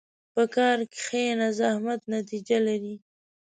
په کار کښېنه، زحمت نتیجه لري.